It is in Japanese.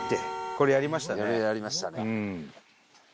これやりましたね。